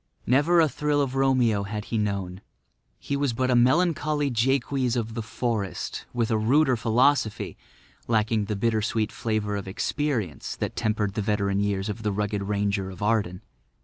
Never a thrill of Romeo had he known; he was but a melancholy Jaques of the forest with a ruder philosophy, lacking the bitter sweet flavour of experience that tempered the veteran years of the rugged ranger of Arden.